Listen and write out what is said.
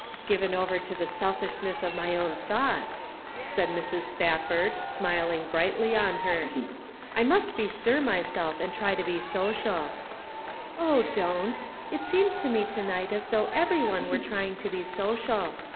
" Given over to the selfishness of my own thoughts," said Mrs. Spafford, smiling brightly 132 The Pocket Measure. on her. " I must bestir myself and try to be social." " Oh, don't. It seems to me to night as though every one were trying to be social.